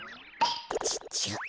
ちっちゃ。